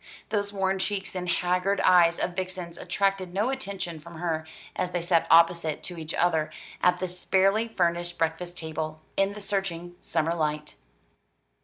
Those worn cheeks and haggard eyes of Vixen's attracted no attention from her as they sat opposite to each other at the sparely furnished breakfast table, in the searching summer light.